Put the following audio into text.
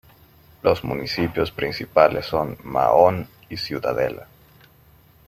Los municipios principales son Mahón y Ciudadela.